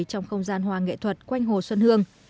trong không gian hoa nghệ thuật quanh hồ xuân hương